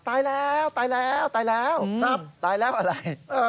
ตายแล้วตายแล้วตายแล้วตายแล้วอะไร